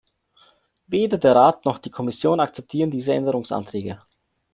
Weder der Rat noch die Kommission akzeptieren diese Änderungsanträge.